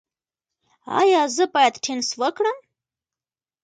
ایا زه باید ټینس وکړم؟